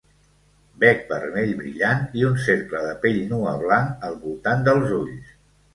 Bec vermell brillant i un cercle de pell nua blanc al voltant dels ulls.